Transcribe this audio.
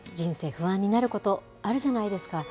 不安になることあるじゃないですか。